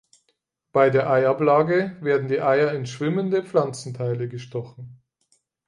Bei der Eiablage werden die Eier in schwimmende Pflanzenteile gestochen.